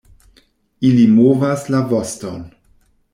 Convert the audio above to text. Ili movas la voston.